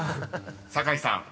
［酒井さん